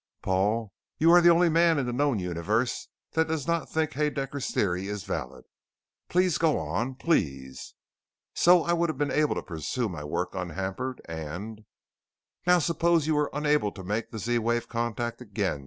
"Paul, you are the only man in the known universe that does not think Haedaecker's Theory is valid. Please go on please?" "So I'd have been able to pursue my work unhampered. And " "Now suppose that you were unable to make the Z wave contact again?"